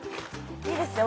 いいですね。